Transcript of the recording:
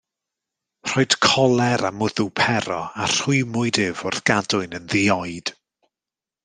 Rhoed coler am wddw Pero, a rhwymwyd ef wrth gadwyn yn ddi-oed.